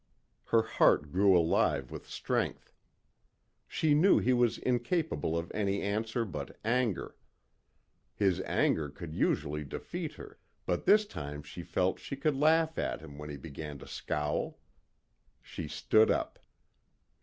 Her heart grew alive with strength. She knew he was incapable of any answer but anger. His anger could usually defeat her but this time she felt she could laugh at him when he began to scowl. She stood up.